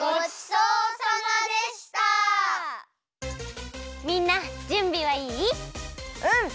うん！